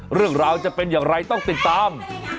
เรื่องราวจะเป็นอย่างไรต้องติดตาม